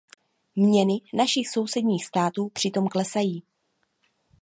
Měny našich sousedních států přitom klesají.